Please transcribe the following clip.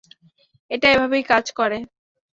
এটা এভাবেই কাজ করে।